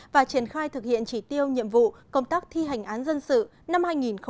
và triển khai thực hiện chỉ tiêu nhiệm vụ công tác thi hành án dân sự năm hai nghìn hai mươi